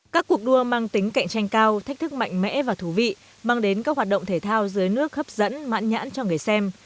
các cuộc đua mang tính cạnh tranh cao thách thức mạnh mẽ và thú vị mang đến các hoạt động thể thao dưới nước hấp dẫn mãn nhãn cho người xem